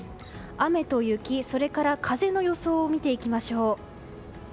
雨と雪、風の予想を見ていきましょう。